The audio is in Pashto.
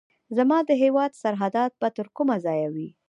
زما د هیواد سرحدات به تر کومه ځایه وي.